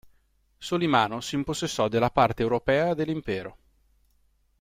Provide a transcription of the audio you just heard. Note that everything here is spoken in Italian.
Solimano si impossessò della parte europea dell'impero.